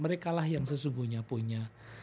mereka lah yang sesungguhnya punya